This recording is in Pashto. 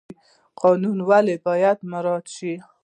قانون ولې باید مراعات شي؟